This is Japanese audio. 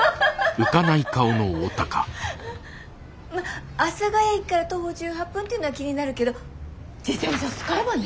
まぁ阿佐ヶ谷駅から徒歩１８分っていうのは気になるけど自転車使えばね。